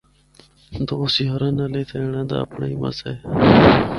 دوست یاراں نال اِتھا اینڑا دا اپنڑا ای مزہ اے۔